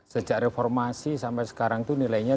sejak reformasi sampai sekarang itu nilainya tiga delapan